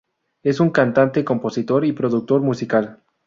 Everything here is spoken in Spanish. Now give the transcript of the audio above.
Es un cantante, compositor y productor musical.